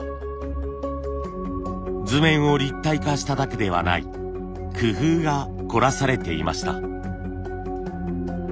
図面を立体化しただけではない工夫が凝らされていました。